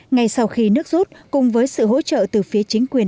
ngay sau khi nước rút cùng với sự hỗ trợ từ phía chính quyền